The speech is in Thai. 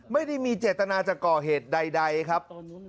ไม่ได้มีเจตนาจะก่อเหตุใดครับ